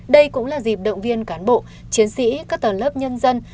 đây cũng là dịp động viên cán bộ chiến sĩ các tầng lớp nhân dân